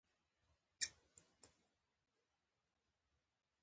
په کور کې ښه اخلاق د کورنۍ د قوت سبب ګرځي.